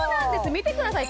見てください